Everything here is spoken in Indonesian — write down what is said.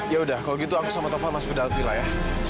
yaudah kalau gitu aku sama taufan masuk ke dalam villa ya